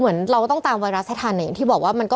เพื่อไม่ให้เชื้อมันกระจายหรือว่าขยายตัวเพิ่มมากขึ้น